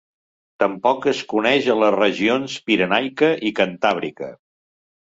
Tampoc es coneix a les regions Pirenaica i Cantàbrica.